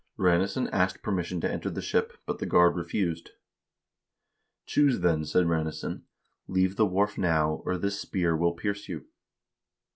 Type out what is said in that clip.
Ranesson asked permission to enter the ship, but the guard refused. ' Choose then/ said Ranesson, ' leave the wharf now, or this spear will pierce you.'